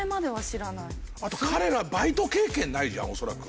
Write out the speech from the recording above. あと彼らバイト経験ないじゃん恐らく。